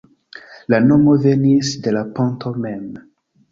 La nomo venis de la ponto mem.